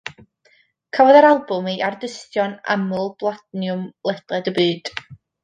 Cafodd yr albwm ei ardystio'n aml blatinwm ledled y byd.